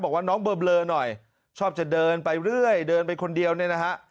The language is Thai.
บอกว่าน้องเบลอหน่อยชอบจะเดินไปเรื่อยเดินไปคนเดียวเนี่ยนะฮะ